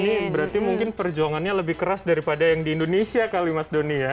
ini berarti mungkin perjuangannya lebih keras daripada yang di indonesia kali mas doni ya